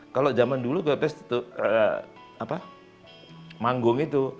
kalau zaman dulu god bless itu apa manggung itu